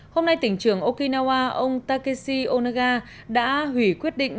hôm nay tỉnh trưởng okinawa ông takeshi onaga đã hủy quyết định